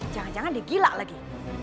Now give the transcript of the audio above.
jangan jangan dia gila lagi